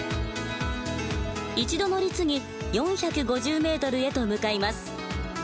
一度乗り継ぎ４５０ｍへと向かいます。